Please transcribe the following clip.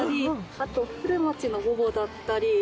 あと古町のＶＯＶＯだったり。